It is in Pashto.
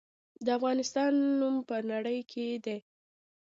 د افغانستان نوم په نړۍ کې دی